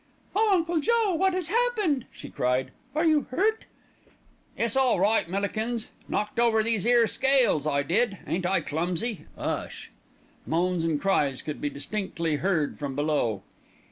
"Oh! Uncle Joe, what has happened?" she cried. "Are you hurt?" "It's all right, Millikins, knocked over these 'ere scales I did. Ain't I clumsy? 'Ush!" Moans and cries could be distinctly heard from below.